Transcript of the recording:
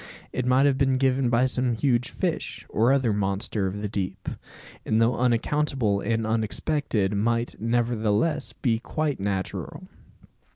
It might have been given by some huge fish, or other monster of the deep; and though unaccountable and unexpected, might, nevertheless, be quite natural.